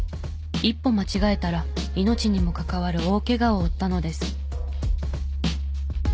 一歩間違えたら命にも関わる大けがを負ったのです。